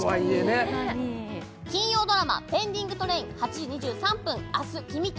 確かに金曜ドラマ「ペンディングトレイン‐８時２３分、明日君と」